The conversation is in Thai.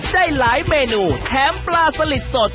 ได้หลายเมนูแถมปลาสลิดสด